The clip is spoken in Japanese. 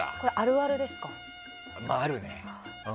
あるね。